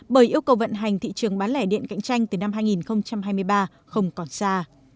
bởi yêu cầu vận hành thị trường bán lẻ điện cạnh tranh từ năm hai nghìn hai mươi ba không còn xa